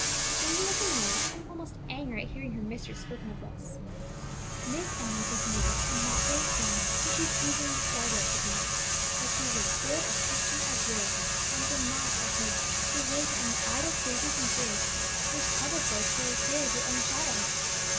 Susan looked annoyed and almost angry at hearing her mistress spoken of thus. "Miss Emmie is nervous and not very strong, so she is easily startled," said the maid; "but she is as good a Christian as lives, and will not, I hope, give way to any idle fancies and fears such as trouble folk who are afraid of their own shadows.